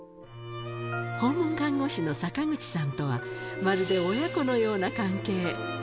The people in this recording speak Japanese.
訪問看護師の坂口さんとは、まるで親子のような関係。